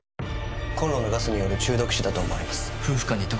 コンロのガスによる中毒死だと思われます。